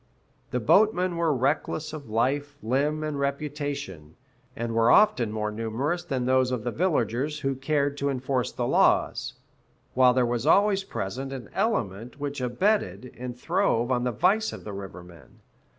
The boatmen were reckless of life, limb, and reputation, and were often more numerous than those of the villagers who cared to enforce the laws; while there was always present an element which abetted and throve on the vice of the river men.